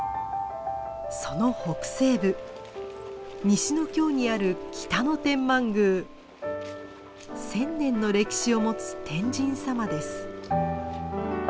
その北西部西ノ京にある１，０００年の歴史を持つ天神様です。